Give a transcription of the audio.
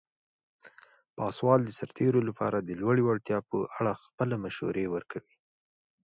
پاسوال د سرتیرو لپاره د لوړې وړتیا په اړه خپل مشورې ورکوي.